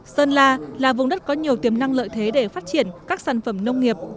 sơn la là vùng đất có nhiều tiềm năng lợi thế để phát triển các sản phẩm nông nghiệp